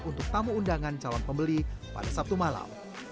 untuk tamu undangan calon pembeli pada sabtu malam